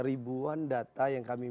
ribuan data yang kami